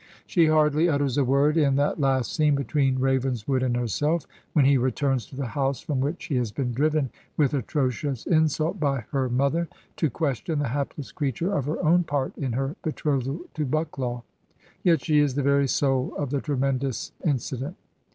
She hardly utters a word in that last scene between Ravenswood and herself, when he returns to the house from which he has been driven with atrocious insult by her mother, to question the hapless creature of her own part in her betrothal to Bucklaw; yet she is the very soul of the tremendous incident.